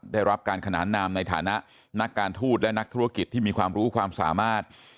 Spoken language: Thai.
ได้รับการขนานนามในฐานะนักการทูตและนักธุรกิจที่มีความรู้ความสามารถ